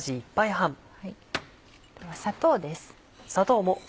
あとは砂糖です。